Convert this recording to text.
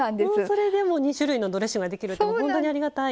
それでもう２種類のドレッシングができるって本当にありがたい。